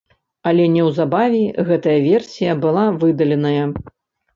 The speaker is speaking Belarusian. Але неўзабаве гэтая версія была выдаленая.